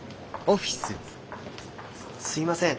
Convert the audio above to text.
すいません